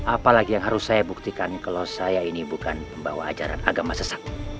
apalagi yang harus saya buktikan kalau saya ini bukan pembawa ajaran agama sesak